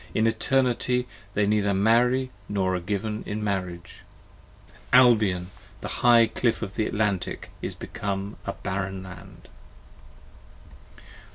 15 In Eternity they neither marry nor are given in marriage. Albion the high Cliff of the Atlantic is become a barren Land.